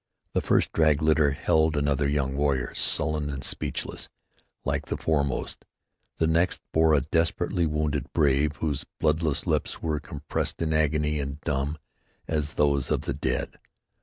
The first drag litter held another young warrior, sullen and speechless like the foremost. The next bore a desperately wounded brave whose bloodless lips were compressed in agony and dumb as those of the dead.